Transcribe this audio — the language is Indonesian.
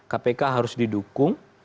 kpk harus didukung